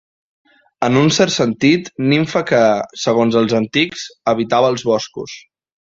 En un cert sentit, nimfa que, segons els antics, habitava els boscos.